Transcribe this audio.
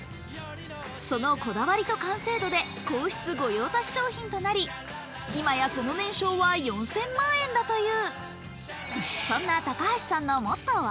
そのこだわりと完成度で皇室御用達商品となり今やその年商は４０００万円だという。